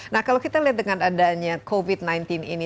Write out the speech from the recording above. nah kalau kita lihat dengan adanya covid sembilan belas ini